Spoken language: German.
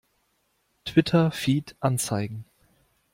Twitter-Feed anzeigen!